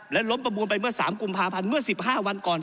และล้มประมูลไปเมื่อ๓กุมภาพันธ์เมื่อ๑๕วันก่อน